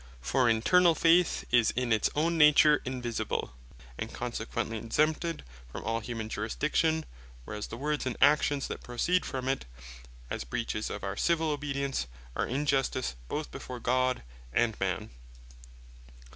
For internall faith is in its own nature invisible, and consequently exempted from all humane jurisdiction; whereas the words, and actions that proceed from it, as breaches of our Civil obedience, are injustice both before God and Man.